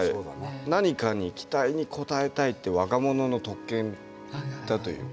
何かに期待に応えたいって若者の特権だというか。